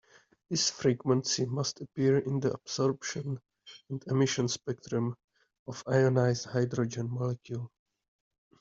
This frequency must appear in the absorption and emission spectrum of ionized hydrogen molecule.